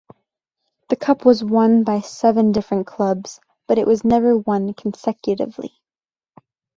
The cup was won by seven different clubs but it was never won consecutively.